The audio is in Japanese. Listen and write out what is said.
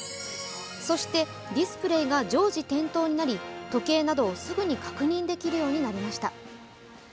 そして、ディスプレイが常時点灯になり時計などをすぐに確認できるようになりました。